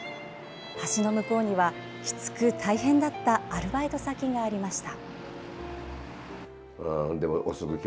橋の向こうにはきつく大変だったアルバイト先がありました。